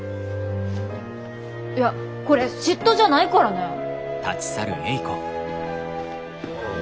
いやこれ嫉妬じゃないからねぇ。